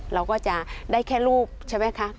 เราก็จะได้แค่รูปใช่ไหมคะ